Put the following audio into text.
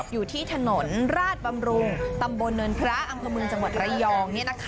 อยู่ที่ถนนราชบำรุงตำบลเนินพระอำเภอเมืองจังหวัดระยอง